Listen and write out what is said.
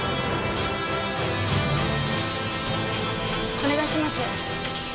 お願いします。